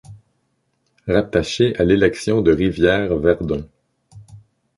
Rattachée à l'élection de Rivière-Verdun.